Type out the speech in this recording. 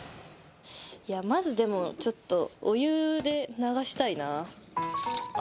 まずでもちょっとお湯で流したいなあ